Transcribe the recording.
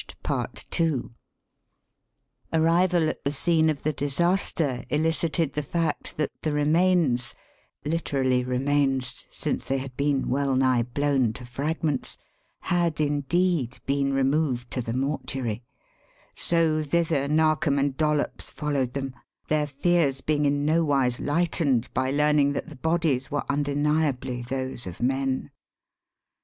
Arrival at the scene of the disaster elicited the fact that the remains literally "remains," since they had been well nigh blown to fragments had, indeed, been removed to the mortuary; so thither Narkom and Dollops followed them, their fears being in no wise lightened by learning that the bodies were undeniably those of men.